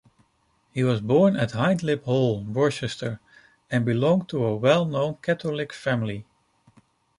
He was born at Hindlip Hall, Worcestershire, and belonged to a well-known Catholic family.